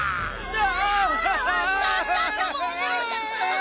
あ！